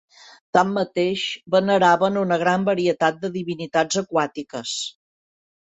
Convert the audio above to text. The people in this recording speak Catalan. Tanmateix, veneraven una gran varietat de divinitats aquàtiques.